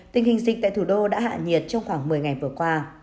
tình hình dịch tại thủ đô đã hạ nhiệt trong khoảng một mươi ngày vừa qua